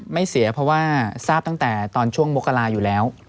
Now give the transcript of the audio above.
ไม่เสียเพราะว่าทราบตั้งแต่ตอนช่วงมกราอยู่แล้ว